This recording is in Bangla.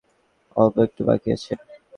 অল্প একটু বাকি আছে।